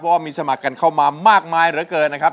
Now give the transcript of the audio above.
เพราะว่ามีสมัครกันเข้ามามากมายเหลือเกินนะครับ